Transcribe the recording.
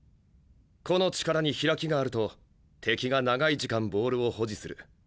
個の力に開きがあると敵が長い時間ボールを保持する。